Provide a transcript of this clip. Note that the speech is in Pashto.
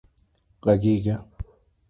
غږېږه